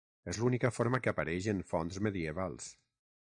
És l'única forma que apareix en fonts medievals.